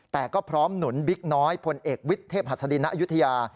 แต่ก็พร้อมหนุนบิกน้อยพลเอกวิทเทพศรษฐรินายุทยา